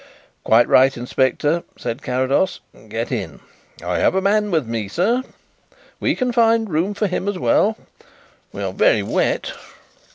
"Quite right, Inspector," said Carrados. "Get in." "I have a man with me, sir." "We can find room for him as well." "We are very wet."